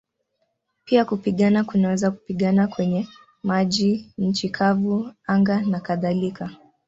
Pia kupigana kunaweza kupigana kwenye maji, nchi kavu, anga nakadhalika.